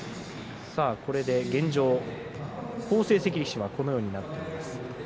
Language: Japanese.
現状、好成績力士がこのようになっています。